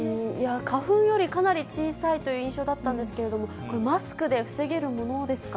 花粉よりかなり小さいという印象だったんですけれども、これ、マスクで防げるものですか？